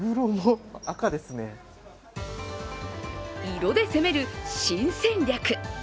色で攻める新戦略。